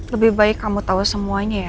lebih baik kamu tahu semuanya ya